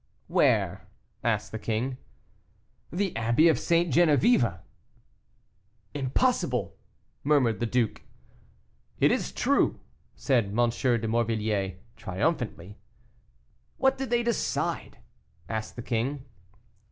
"Where?" asked the king. "The Abbey of St. Geneviève." "Impossible!" murmured the duke. "It is true," said M. de Morvilliers, triumphantly. "What did they decide?" asked the king.